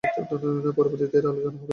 পরবর্তীতে এর আলোচনা হবে।